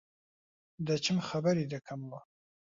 دەچم خەبەری دەکەمەوە.